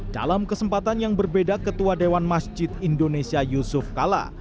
dalam kesempatan yang berbeda ketua dewan masjid indonesia yusuf kala